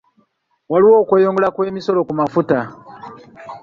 Waliwo okweyongera kw'emisolo ku mafuta.